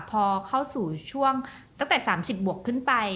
พอเข้าสู่ช่วงตั้งแต่๓๐บวกขึ้นไป